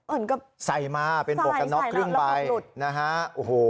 อ๋อเอิญกับใส่มาใส่ใส่แล้วเป็นหมวกกันน็อคครึ่งใบนะฮะโอ้โห